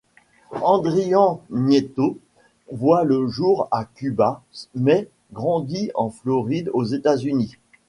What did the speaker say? Adrián Nieto voit le jour à Cuba mais grandit en Floride, aux États-Unis.